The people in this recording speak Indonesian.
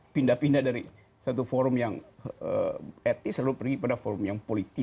pindah pindah dari satu forum yang etnis lalu pergi ke forum yang politik